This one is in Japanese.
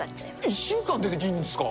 １週間で出来るんですか。